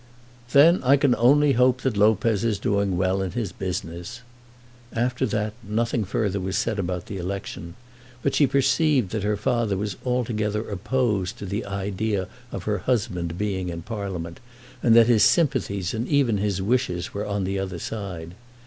"Then I can only hope that Lopez is doing well in his business!" After that, nothing further was said about the election, but she perceived that her father was altogether opposed to the idea of her husband being in Parliament, and that his sympathies and even his wishes were on the other side.